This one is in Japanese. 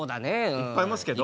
いっぱいいますけど。